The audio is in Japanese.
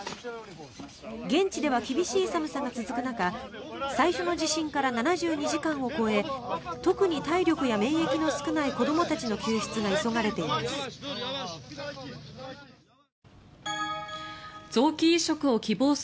現地では厳しい寒さが続く中最初の地震から７２時間を超え特に体力や免疫の少ない子どもたちの救出が急がれています。